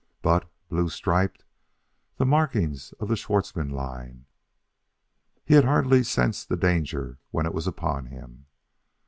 But blue striped! The markings of the Schwartzmann line! He had hardly sensed the danger when it was upon him.